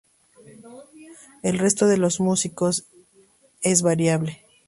El resto de los músicos es variable.